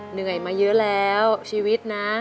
เหนื่อยมาเยอะแล้วชีวิตนะ